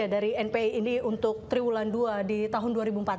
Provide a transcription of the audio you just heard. dari npi ini untuk triwulan dua di tahun dua ribu empat belas